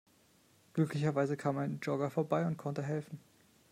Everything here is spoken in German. Glücklicherweise kam ein Jogger vorbei und konnte helfen.